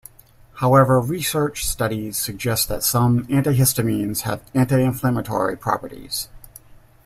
However, research studies suggest that some antihistamines have anti-inflammatory properties.